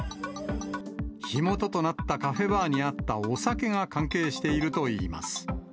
火元となったカフェバーにあったお酒が関係しているといいます。